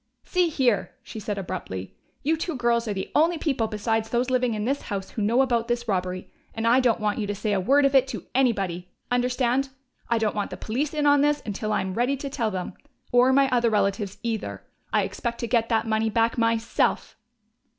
"See here!" she said abruptly. "You two girls are the only people besides those living in this house who know about this robbery, and I don't want you to say a word of it to anybody! Understand? I don't want the police in on this until I am ready to tell them. Or my other relatives, either. I expect to get that money back myself!"